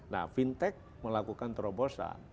nah fintech melakukan terobosan